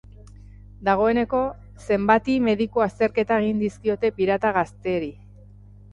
Dagoeneko zenbati mediku-azterketa egin dizkiote pirata gazteri.